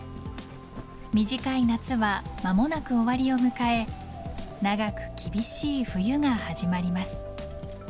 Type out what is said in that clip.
短い夏は間もなく終わりを迎え長く厳しい冬が始まります。